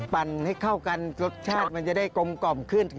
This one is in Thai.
ปั่นให้เข้ากันรสชาติมันจะได้กลมกล่อมขึ้น